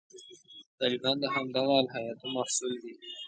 طالبان د همدغه الهیاتو محصول دي.